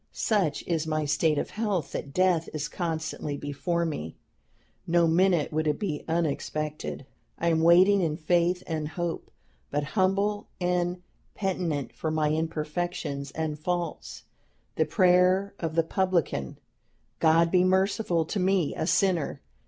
Such is my state of health that death is constantly before me; no minute would it be unexpected. I am waiting in faith and hope, but humble and penitent for my imperfections and faults. The prayer of the publican, 'God be merciful to me a sinner!'